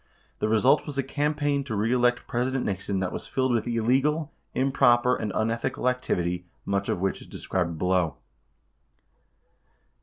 The result was a campaign to reelect President Nixon that was filled with illegal, improper, and unethical activity, much of which is described below.